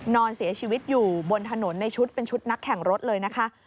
นอนเสียชีวิตอยู่บนถนนในชุดเป็นชุดนักแข่งรถเลยนะคะ